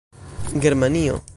Germanio